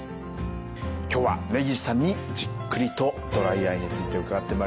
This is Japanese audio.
今日は根岸さんにじっくりとドライアイについて伺ってまいりました。